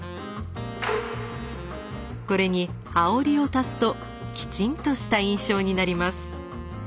これに羽織を足すときちんとした印象になります。